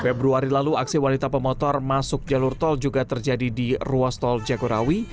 februari lalu aksi wanita pemotor masuk jalur tol juga terjadi di ruas tol jagorawi